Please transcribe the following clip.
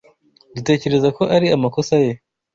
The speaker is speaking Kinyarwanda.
Dutekereza ko ari amakosa ye.